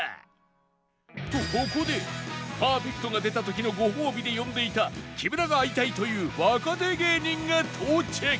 とここでパーフェクトが出た時のご褒美で呼んでいた木村が会いたいという若手芸人が到着